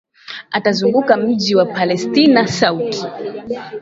atazunguka mji wa palestina southi